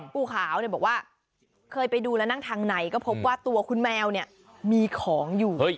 ปูขาวบอกว่าเคยไปดูแล้วนั่งทางไหนก็พบว่าตัวคุณแมวเนี่ยมีของอยู่